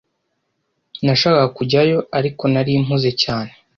Nashakaga kujyayo, ariko nari mpuze cyane.